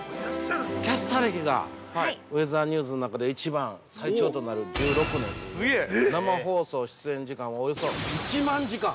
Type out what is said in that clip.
キャスター歴が、ウェザーニューズの中で、一番最長となる１６年ということで、生放送出演時間はおよそ１万時間。